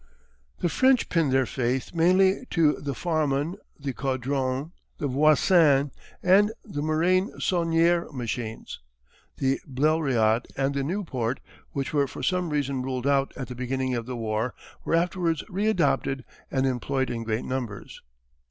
The French pinned their faith mainly to the Farman, the Caudron, the Voisin, and the Moraine Saulnier machines. The Bleriot and the Nieuport, which were for some reason ruled out at the beginning of the war, were afterwards re adopted and employed in great numbers.